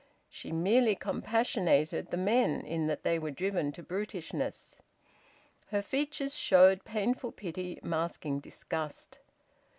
She merely compassionated the men in that they were driven to brutishness. Her features showed painful pity masking disgust.